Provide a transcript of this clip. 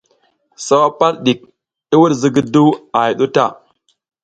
Sawa pal ɗik, i wuɗ zigiduw a hay ɗu o ta.